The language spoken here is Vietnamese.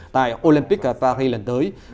tại olympic paris lần tới